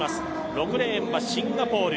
６レーンはシンガポール。